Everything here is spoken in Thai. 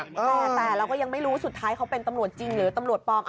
แต่เราก็ยังไม่รู้สุดท้ายเขาเป็นตำรวจจริงหรือตำรวจปลอม